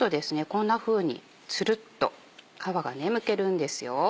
こんなふうにツルっと皮がむけるんですよ。